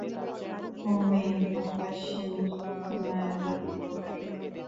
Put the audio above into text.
ও মেয়ে, ভালোবাসি তোমায় আমার লাগে ভালো।